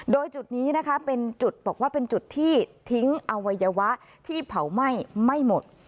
โดยจุดนี้นะคะเป็นจุดบอกว่าเป็นจุดที่ทิ้งอวัยวะที่เผาไหม้ไม่หมด